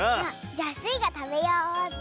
じゃあスイがたべようっと。